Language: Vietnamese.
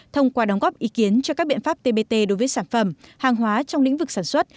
thông qua đóng góp ý kiến cho các biện pháp tbt đối với sản phẩm hàng hóa trong lĩnh vực sản xuất